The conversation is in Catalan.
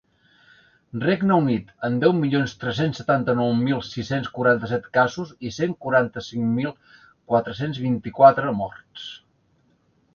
Regne Unit, amb deu milions tres-cents setanta-nou mil sis-cents quaranta-set casos i cent quaranta-cinc mil quatre-cents vint-i-quatre morts.